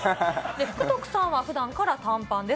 福徳さんはふだんから短パンです。